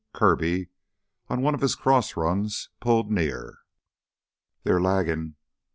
Kirby, on one of his cross runs, pulled near. "They're laggin'.